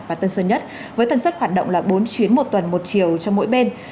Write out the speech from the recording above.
và tân sơn nhất với tần suất hoạt động là bốn chuyến một tuần một chiều cho mỗi bên